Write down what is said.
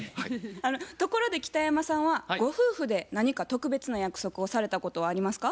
ところで北山さんはご夫婦で何か特別な約束をされたことはありますか？